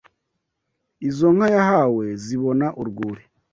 Izo nka yahawe zibona urwuri